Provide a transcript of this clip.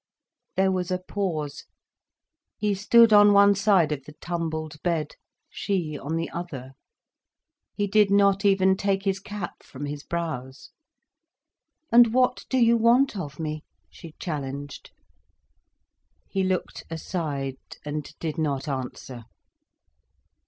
There was a pause. He stood on one side of the tumbled bed, she on the other. He did not even take his cap from his brows. "And what do you want of me," she challenged. He looked aside, and did not answer.